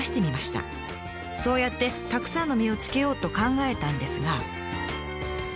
そうやってたくさんの実をつけようと考えたんですが。